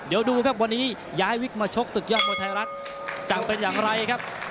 เดี๋ยวดูครับวันนี้ย้ายวิกมาชกศึกยอดมวยไทยรัฐจะเป็นอย่างไรครับ